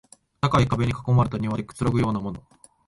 高い壁に囲まれた庭でくつろぐようなもの